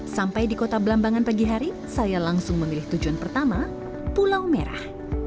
sampai di kota belambangan pagi hari saya langsung memilih tujuan pertama pulau merah